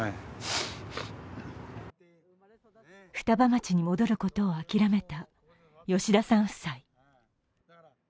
双葉町に戻ることを諦めた吉田さん夫妻。